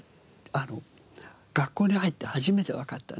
あの学校に入って初めてわかったんです。